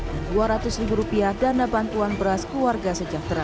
dan dua ratus ribu rupiah dana bantuan beras keluarga sejahtera